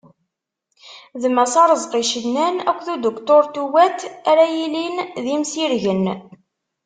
D Mass Arezqi Cennan akked uduktur Tuwat ara yilin d imsirgen.